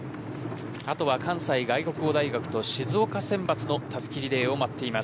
あとは、関西外国語大学と静岡選抜のたすきリレーを待っています。